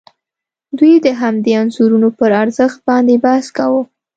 دوی د همدې انځورونو پر ارزښت باندې بحث کاوه.